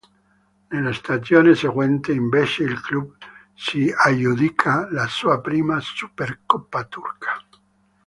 Nella stagione seguente, invece, il club si aggiudica la sua prima Supercoppa turca.